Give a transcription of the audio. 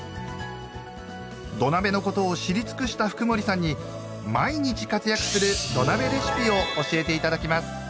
土鍋のことを知り尽くした福森さんに毎日活躍する土鍋レシピを教えていただきます！